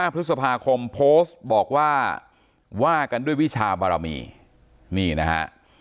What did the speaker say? พฤษภาคมโพสต์บอกว่าว่ากันด้วยวิชาบารมีนี่นะฮะ